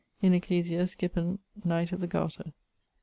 in ecclesia Skippon. Knight of the Garter.